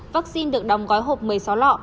vaccine được đóng gói hộp một mươi sáu lọ